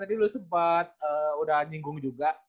tadi lu sempet udah nyinggung juga